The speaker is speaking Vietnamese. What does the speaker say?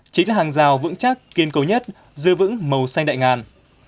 chính là hàng rào vững chắc kiên cầu nhất dư vững màu xanh đại ngàn